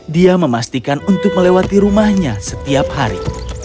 dia memastikan untuk melewati rumahnya setiap hari